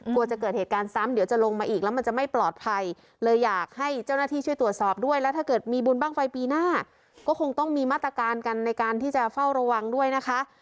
กลัวจะเกิดเหตุการณ์ซ้ำเดี๋ยวจะลงมาอีกแล้วมันจะไม่ปลอดภัยเลยอยากให้เจ้าหน้าที่ช่วยตรวจสอบด้วยแล้วถ้าเกิดมีบุญบ้างไฟปีหน้าก็คงต้องมีมาตรการกันในการที่จะเฝ้าระวังด้วยนะคะ